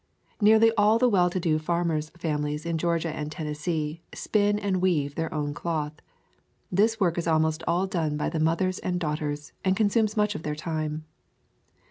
Nearly all well to do farmers' families in Georgia and Tennessee spin and weave their own cloth. This work is almost all done by the mothers and daughters and con sumes much of their time.